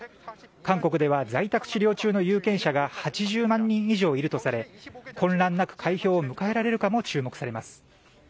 韓国では在宅治療中の有権者が８０万人以上いるとされ混乱なく開票を迎えられるかも注目されます。